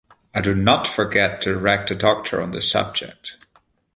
I do not forget to rag the doctor on this subject.